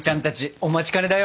お待ちかねだよ！